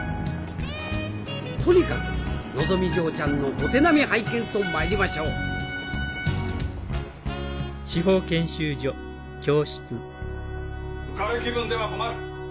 とにかくのぞみ嬢ちゃんのお手並み拝見とまいりましょう浮かれ気分では困る。